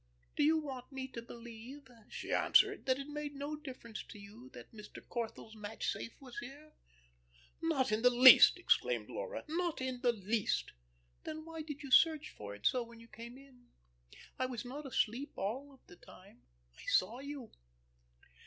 "Do you want me to believe," she answered, "that it made no difference to you that Mr. Corthell's match safe was here?" "Not the least," exclaimed Laura. "Not the least." "Then why did you search for it so when you came in? I was not asleep all of the time. I saw you."